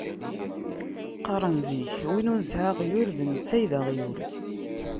Qqaren zik win ur nesɛi aɣyul, d netta ay d aɣyul.